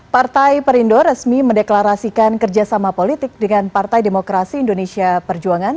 partai perindo resmi mendeklarasikan kerjasama politik dengan partai demokrasi indonesia perjuangan